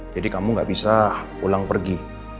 jadi kamu gak bisa pulang pergi